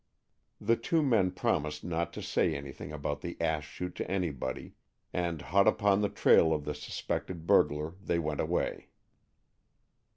The two men promised not to say anything about the ash chute to anybody, and hot upon the trail of the suspected burglar they went away.